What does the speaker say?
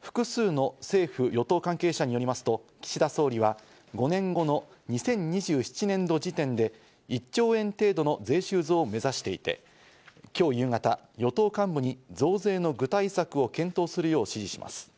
複数の政府・与党関係者によりますと岸田総理は、５年後の２０２７年度時点で、１兆円程度の税収増を目指していて、今日夕方、与党幹部に増税の具体策を検討するよう指示します。